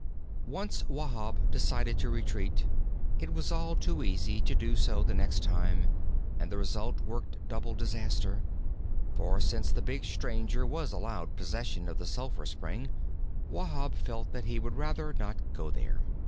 Once Wahb decided to retreat, it was all too easy to do so next time; and the result worked double disaster. For, since the big stranger was allowed possession of the sulphur spring, Wahb felt that he would rather not go there.